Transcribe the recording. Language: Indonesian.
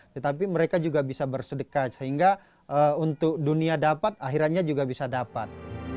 tetapi mereka juga bisa bersedekah sehingga untuk dunia dapat akhirnya juga bisa dapat